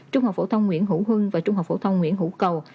trung học phổ thông nguyễn hữu hưng và trung học phổ thông nguyễn hữu cầu